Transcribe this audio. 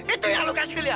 itu yang lu kasih ke lia